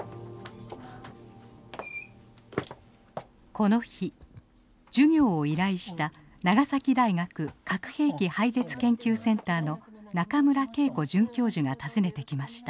この日授業を依頼した長崎大学核兵器廃絶研究センターの中村桂子准教授が訪ねてきました。